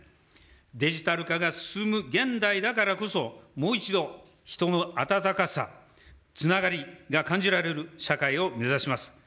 デジタル化が進む現代だからこそ、もう一度、人の温かさ、つながりが感じられる社会を目指します。